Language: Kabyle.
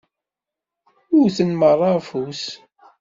Wwten meṛṛa afus.